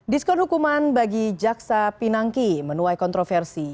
diskon hukuman bagi jaksa pinangki menuai kontroversi